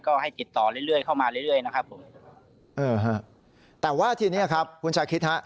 ก็ให้ติดต่อเรื่อยเข้ามาเรื่อยนะครับผมแต่ว่าทีนี้ครับคุณชาคริสฮะ